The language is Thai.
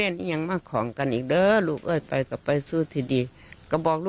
นี่แหละครับ